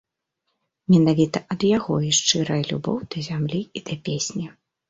Менавіта ад яго і шчырая любоў да зямлі і да песні.